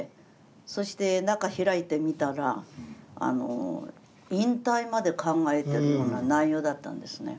そして中開いてみたら引退まで考えてるような内容だったんですね。